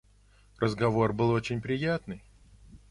Разговор был очень приятный.